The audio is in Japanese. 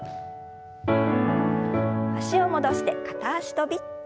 脚を戻して片脚跳び。